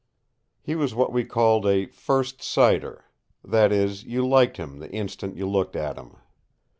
He was what we called a "first sighter" that is, you liked him the instant you looked at him.